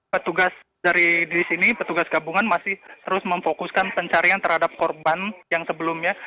petugas dari di sini petugas gabungan masih terus memfokuskan pencarian terhadap korban yang sebelumnya